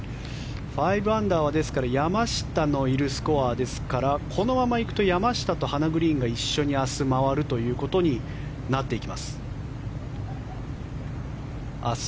５アンダーは山下のいるスコアですからこのままいくと山下とハナ・グリーンが一緒に明日回るということになっていきます。